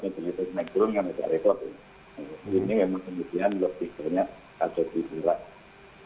ini memang kemudian lebih ternyata ada di berat